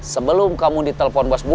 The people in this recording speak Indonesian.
sebelum kamu di telpon bos bubun